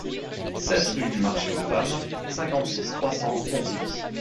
sept rue du Marché aux Femmes, cinquante-six, trois cents, Pontivy